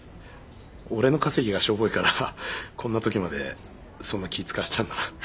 俺の稼ぎがしょぼいからこんなときまでそんな気使わせちゃうんだな。